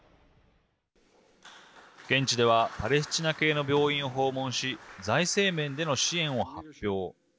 現地ではパレスチナ系の病院を訪問し財政面での支援を発表。